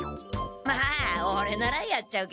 まあオレならやっちゃうけど。